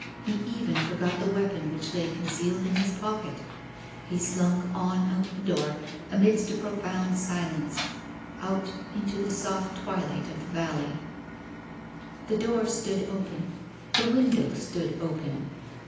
He even forgot the weapon which lay concealed in his pocket. He slunk on out of the door amidst a profound silence, out into the soft twilight of the valley. The door stood open; the window stood open.